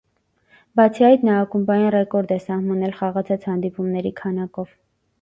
Բացի այդ, նա ակումբային ռեկորդ է սահմանել խաղացած հանդիպումների քանակով։